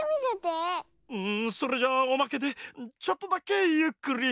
んそれじゃあおまけでちょっとだけゆっくり。